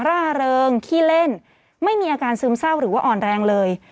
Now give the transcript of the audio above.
ร่าเริงขี้เล่นไม่มีอาการซึมเศร้าหรือว่าอ่อนแรงเลย